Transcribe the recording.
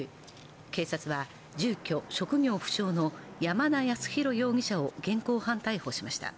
警察は住居・職業不詳の山田康裕容疑者を現行犯逮捕しました。